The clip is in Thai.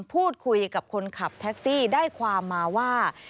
พูดคุยกับคนขับแท็กซี่ได้ความมาว่า